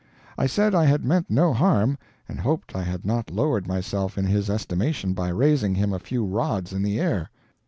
I said I had meant no harm, and hoped I had not lowered myself in his estimation by raising him a few rods in the air.